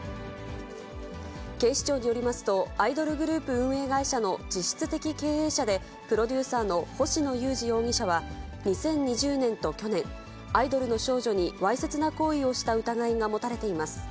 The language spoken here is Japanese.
警視庁によりますと、アイドルグループ運営会社の実質的経営者で、プロデューサーの星野友志容疑者は、２０２０年と去年、アイドルの少女にわいせつな行為をした疑いが持たれています。